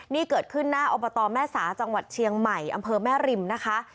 นี่เกิดขึ้นหน้าอบตแม่สาจังหวัดเชียงใหม่อำเภอแม่ริมนะคะ